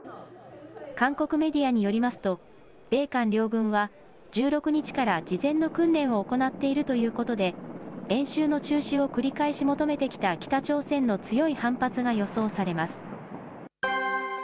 韓国メディアによりますと、米韓両軍は、１６日から事前の訓練を行っているということで、演習の中止を繰り返し求めてきた北朝鮮の強い反発が予想されます。